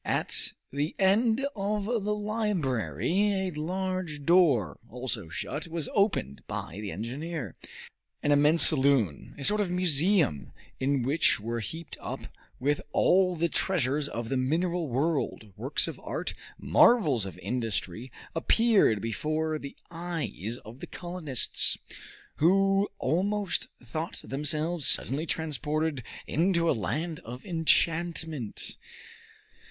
At the end of the library a large door, also shut, was opened by the engineer. An immense saloon a sort of museum, in which were heaped up, with all the treasures of the mineral world, works of art, marvels of industry appeared before the eyes of the colonists, who almost thought themselves suddenly transported into a land of enchantment.